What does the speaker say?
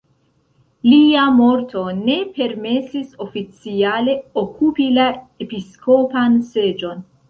Lia morto ne permesis oficiale okupi la episkopan seĝon.